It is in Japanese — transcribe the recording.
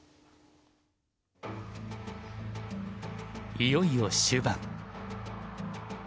いよいよ終盤。